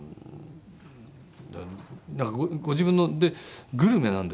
なんかご自分のでグルメなんですけどね